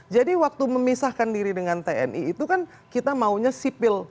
waktu memisahkan diri dengan tni itu kan kita maunya sipil